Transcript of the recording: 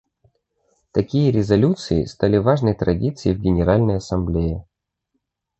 Такие резолюции стали важной традицией в Генеральной Ассамблее.